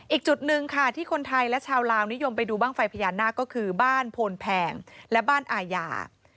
อีกจุดหนึ่งค่ะที่คนไทยและชาวลาวนิยมไปดูบ้างไฟพญานาคก็คือบ้านโพนแพงและบ้านอาญา